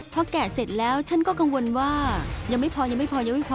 พอแกะเสร็จแล้วฉันก็กังวลว่ายังไม่พอ